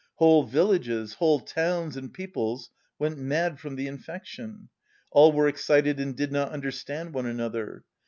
Whole villages, whole towns and peoples went mad from the infection. All were excited and did not understand one another.